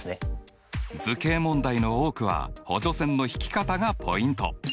図形問題の多くは補助線の引き方がポイント。